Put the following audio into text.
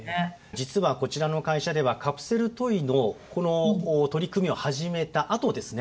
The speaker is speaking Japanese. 実はこちらの会社ではカプセルトイのこの取り組みを始めたあとですね